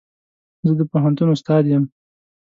زه د پوهنتون استاد يم.